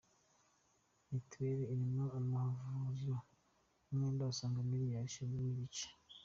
Mitiweli irimo amavuriro umwenda usaga Miliyari eshatu nigice